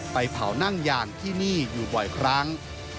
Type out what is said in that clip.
ไปเผานั่งยางที่นี่อยู่บ่อยครั้ง